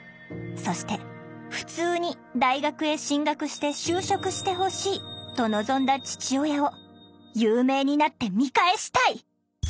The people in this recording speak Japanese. そして「ふつうに大学へ進学して就職してほしい」と望んだ父親を有名になって見返したい！